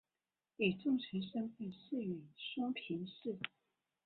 以重臣身份仕于松平氏。